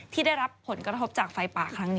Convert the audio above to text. ที่ได้รับผลกระทบจากไฟป่าครั้งนี้